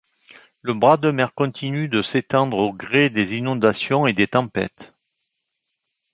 Le bras de mer continue de s'étendre au gré des inondations et des tempêtes.